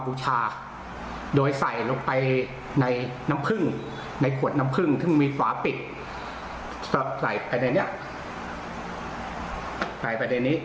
บูชาโดยใส่ลงไปในน้ำผึ้งในขวดน้ำผึ้งจะมีหวานปิดที่ใส่ไปในนี้